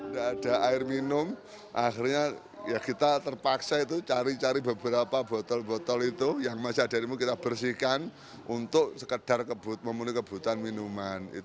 tidak ada air minum akhirnya ya kita terpaksa itu cari cari beberapa botol botol itu yang masih ada remu kita bersihkan untuk sekedar memenuhi kebutuhan minuman